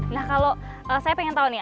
jadi saya pengen tau nih